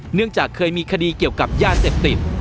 เนื่องจากเคยมีคดีเกี่ยวกับยาเสพติด